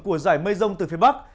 của giải mây rông từ phía bắc